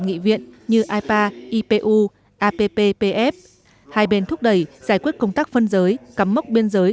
nghị viện như ipa ipu app pf hai bên thúc đẩy giải quyết công tác phân giới cắm mốc biên giới